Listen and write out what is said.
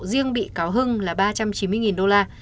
riêng bị cáo hưng là ba trăm chín mươi đô la